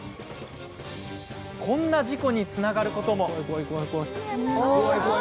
こんな事故につながることも。